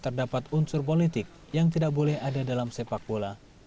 terdapat unsur politik yang tidak boleh ada dalam sepak bola